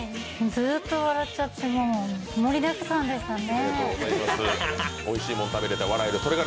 ずっと笑っちゃって盛りだくさんでしたね。